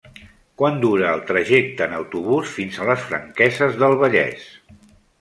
Quant dura el trajecte en autobús fins a les Franqueses del Vallès?